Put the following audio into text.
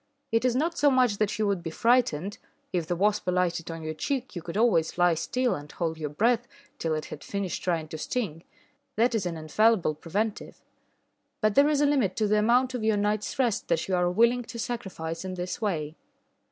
It is not so much that you would be frightened: if the wasp alighted on your cheek, you could always lie still and hold your breath till it had finished trying to sting that is an infallible preventive. But there is a limit to the amount of your night's rest that you are willing to sacrifice in this way.